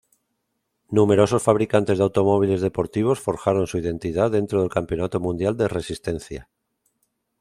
Numerosos fabricantes de automóviles deportivos forjaron su identidad dentro del Campeonato Mundial de Resistencia.